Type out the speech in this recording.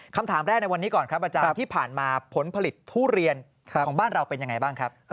คำถามแรกในวันนี้ก่อนครับอาจารย์ที่ผ่านมาผลผลิตทุเรียนของบ้านเราเป็นยังไงบ้างครับ